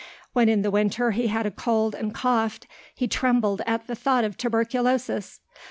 When in the winter he had a cold and coughed, he trembled at the thought of tuberculosis.